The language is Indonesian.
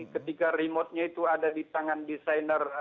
ketika remote nya itu ada di tangan desainer